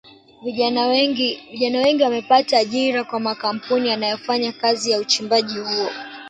Vijana wengi wamepata ajira kwa makampuni yanayofanya kazi ya uchimbaji huo